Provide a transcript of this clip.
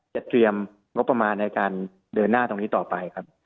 เตรียมงบประมาณในการเดินหน้าตรงนี้ต่อไปครับ